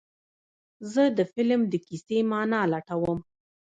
زه د فلم د کیسې معنی لټوم.